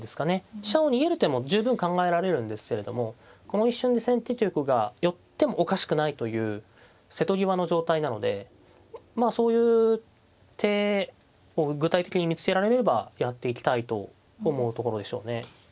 飛車を逃げる手も十分考えられるんですけれどもこの一瞬で先手玉が寄ってもおかしくないという瀬戸際の状態なのでまあそういう手を具体的に見つけられればやっていきたいと思うところでしょうね。